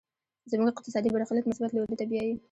زموږ اقتصادي برخليک مثبت لوري ته بيايي.